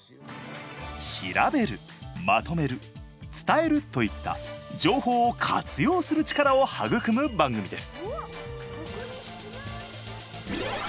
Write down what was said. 調べるまとめる伝えるといった情報を活用する力を育む番組です。